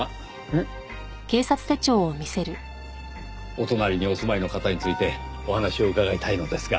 お隣にお住まいの方についてお話を伺いたいのですが。